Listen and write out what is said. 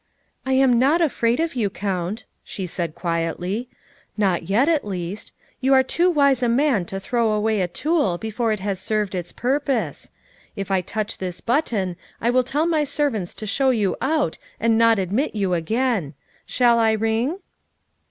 " I am not afraid of you, Count," she said quietly, " not yet, at least. You are too wise a man to throw away a tool before it has served its purpose. If I touch this button I will tell my servants to show you out and not admit you again. Shall I ring?"